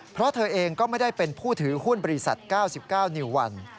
เพราะเธอเองก็ไม่ได้เป็นผู้ถือหุ้นบริษัท๙๙นิววัน